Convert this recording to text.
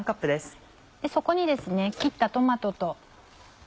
そこに切ったトマトと。